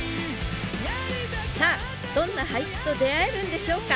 さあどんな俳句と出会えるんでしょうか？